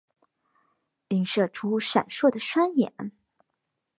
映射出闪烁的双眼